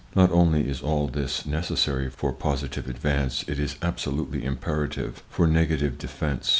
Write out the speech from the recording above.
Not only is all this necessary for positive advance, it is absolutely imperative for negative defense.